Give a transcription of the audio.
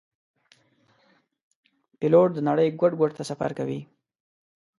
پیلوټ د نړۍ ګوټ ګوټ ته سفر کوي.